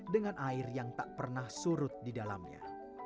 dengan air yang tak pernah surut di dalamnya